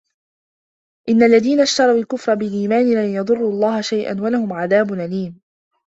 إن الذين اشتروا الكفر بالإيمان لن يضروا الله شيئا ولهم عذاب أليم